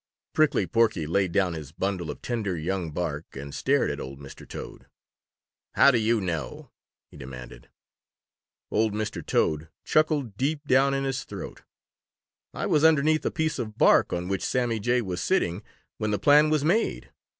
Prickly Porky laid down his bundle of tender young bark and stared at old Mr. Toad, "How do you know?" he demanded. Old Mr. Toad chuckled deep down in his throat. "I was underneath a piece of bark on which Sammy Jay was sitting when the plan was made.